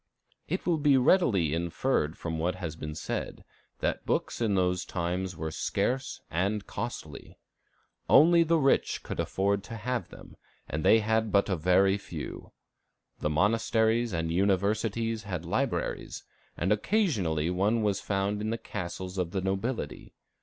It will be readily inferred from what has been said that books in those times were scarce and costly. Only the rich could afford to have them, and they had but very few. The monasteries and universities had libraries, and occasionally one was found in the castles of the nobility.